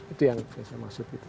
itu yang saya maksud